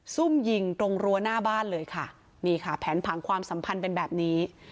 ซุ่มยิงตรงรั้วหน้าบ้านเลยค่ะนี่ค่ะแผนผังความสัมพันธ์เป็นแบบนี้